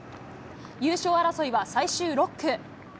優勝争いは最終６区。